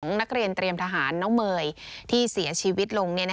นักเรียนเตรียมทหารน้องเมย์ที่เสียชีวิตลง